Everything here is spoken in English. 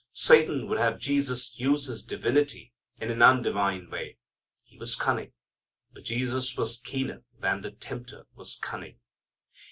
Satan would have Jesus use His divinity in an undivine way. He was cunning. But Jesus was keener than the tempter was cunning.